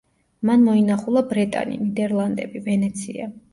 მან მოინახულა ბრეტანი, ნიდერლანდები, ვენეცია.